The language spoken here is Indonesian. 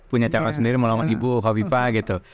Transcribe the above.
punya cara sendiri melawan ibu hovifah gitu